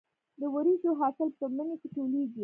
د وریجو حاصل په مني کې ټولېږي.